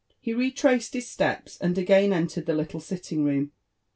He retraced his steps, and again entered the little sitting room.